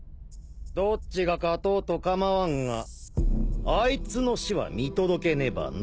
どっちが勝とうと構わんがあいつの死は見届けねばな。